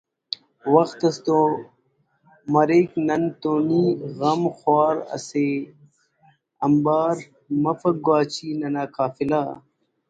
وخت اس تو مرک نن تو نی غم خوار اسے آنبار مف گواچی ننا قافلہ